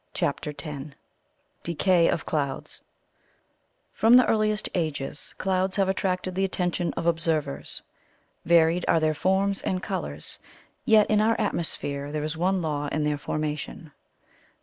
CHAPTER X DECAY OF CLOUDS From the earliest ages clouds have attracted the attention of observers. Varied are their forms and colours, yet in our atmosphere there is one law in their formation.